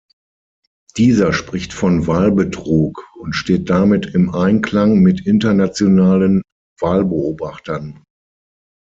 Dieser spricht von Wahlbetrug und steht damit im Einklang mit internationalen Wahlbeobachtern.